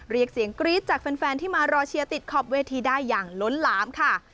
เรียกเสียงกรี๊ดจากแฟนที่มารอเชียร์ติดขอบเวทีได้อย่างล้นหลามค่ะ